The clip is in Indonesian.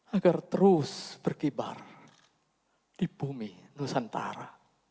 agar terus berkibar di bumi nusantara